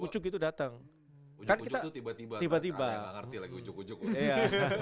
ujuk ujuk itu tiba tiba